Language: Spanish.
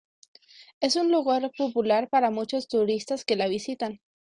Es un lugar popular para muchos turistas que la visitan.